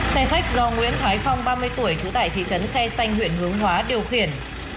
xe khách do nguyễn thái phong ba mươi tuổi trú tại thị trấn khe xanh huyện hướng hóa điều khiển